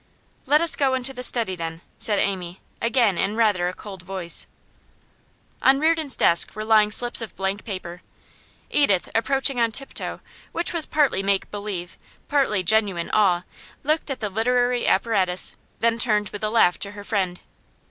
'Let us go into the study, then,' said Amy, again in rather a cold voice. On Reardon's desk were lying slips of blank paper. Edith, approaching on tiptoe with what was partly make believe, partly genuine, awe, looked at the literary apparatus, then turned with a laugh to her friend.